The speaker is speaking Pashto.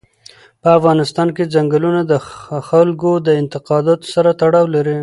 په افغانستان کې ځنګلونه د خلکو د اعتقاداتو سره تړاو لري.